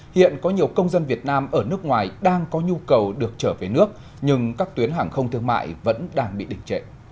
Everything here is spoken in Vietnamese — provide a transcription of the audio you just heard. hiện có nhiều công dân việt nam ở nước ngoài đang có nhu cầu được trở về nước nhưng các tuyến hàng không thương mại vẫn đang bị đỉnh trệ